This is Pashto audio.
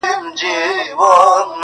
o د حلوا په ويلو خوله نه خوږه کېږي!